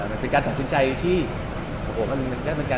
มันเป็นการตัดสินใจที่โอ้โหมันก็เป็นการตัดสินใจใหญ่นะครับ